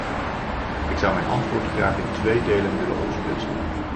Ik zou mijn antwoord graag in twee delen willen opsplitsen.